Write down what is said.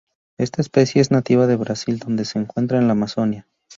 Esta especie es nativa de Brasil donde se encuentra en la Amazonia.